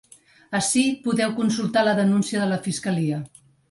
Ací podeu consultar la denúncia de la fiscalia.